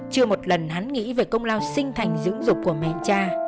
chưa một lần hắn nghĩ về công lao sinh thành dưỡng dục của mẹ cha